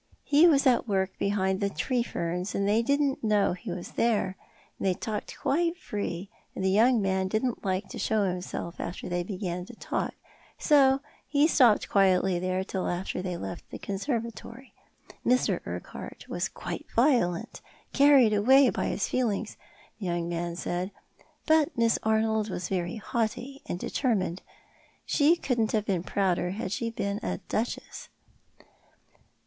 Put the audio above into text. Ho was at work behind the tree ferns, and they didn't know he was there, and they talked quite free, and the young man didn't like to show himself after they began to talk, so he stopped quietly tliere till they left the conservatory. Mr. Urquhart was quite violent — carried away by his feelings, the young man said — but Miss Arnold was very haughty and determined; she couldn't have been prouder had she been a duchess."